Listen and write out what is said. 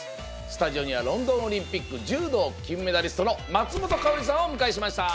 スタジオにはロンドンオリンピック柔道金メダリストの松本薫さんをお迎えしました。